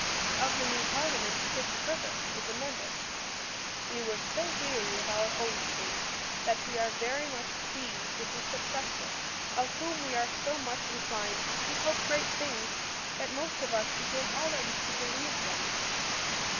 Of the new Parliament Fitzherbert is a member. We were so weary of our old King, that we are much pleased with his successor; of whom we are so much inclined to hope great things, that most of us begin already to believe them.